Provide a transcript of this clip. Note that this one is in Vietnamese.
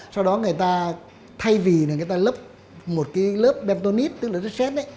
sau đó người ta thay vì người ta lấp một lớp bentonite tức là rất xét